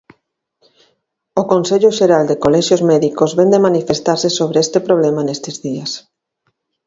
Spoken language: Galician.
O Consello Xeral de Colexios Médicos vén de manifestarse sobre este problema nestes días.